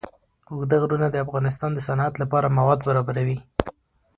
اوږده غرونه د افغانستان د صنعت لپاره مواد برابروي.